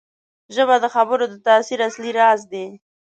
ژبه د خبرو د تاثیر اصلي راز دی